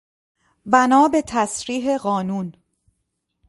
بنا به تصریح قانون